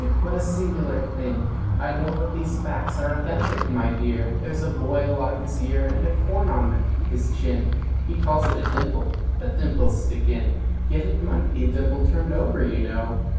What a singular thing! I know! but these facts are authentic, my dear, There's a boil on his ear; and a corn on his chin, He calls it a dimple but dimples stick in Yet it might be a dimple turned over, you know!